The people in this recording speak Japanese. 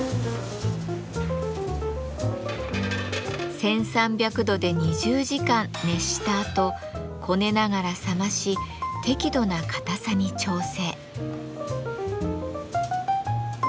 １，３００度で２０時間熱したあとこねながら冷まし適度な硬さに調整。